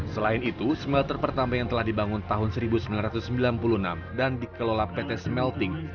selain itu smelter pertama yang telah dibangun tahun seribu sembilan ratus sembilan puluh enam dan dikelola pt smelting